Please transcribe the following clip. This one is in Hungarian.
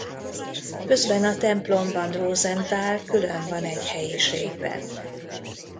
Közben a templomban Rosenthal külön van egy helyiségben.